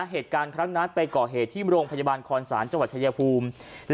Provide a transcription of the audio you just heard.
เหตุการณ์ครั้งนั้นไปก่อเหตุที่โรงพยาบาลคอนศาลจังหวัดชายภูมิ